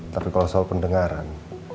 tapi kalau soal pendengaran